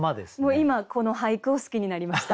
今この俳句を好きになりました。